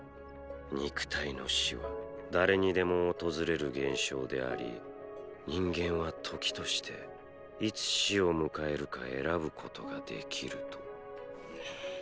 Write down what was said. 肉体の死は誰にでも訪れる現象であり人間は時としていつ死を迎えるか選ぶことができると。